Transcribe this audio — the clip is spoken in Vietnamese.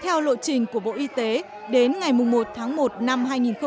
theo lộ trình của bộ y tế đến ngày một tháng một năm hai nghìn một mươi tám